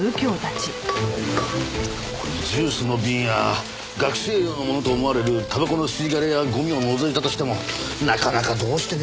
ジュースの瓶や学生寮のものと思われるタバコの吸い殻やゴミを除いたとしてもなかなかどうして。